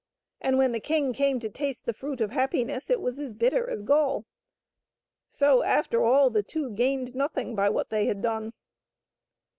And when the king came to taste the Fruit of Happiness, it was as bitter as gall. So, after all, the two gained nothing by what they had done.